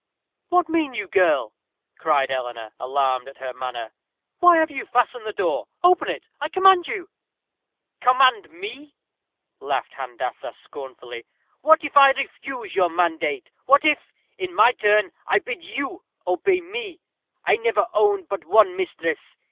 "What mean you, girl?" cried Eleanor, alarmed at her manner. "Why have you fastened the door? Open it, I command you." "Command me!" laughed Handassah, scornfully. "What if I refuse your mandate? What, if, in my turn, I bid you obey me? I never owned but one mistress.